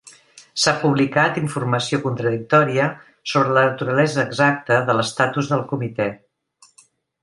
S'ha publicat informació contradictòria sobre la naturalesa exacta de l'estatus del comitè.